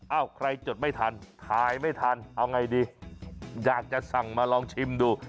ใครจดไม่ทันถ่ายไม่ทันเอาไงดีอยากจะสั่งมาลองชิมดู